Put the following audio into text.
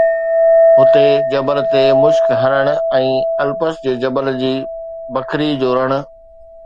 هتي جبل تي مشڪ هرن، ۽ الپس جي جبل جي بکري جو رڻ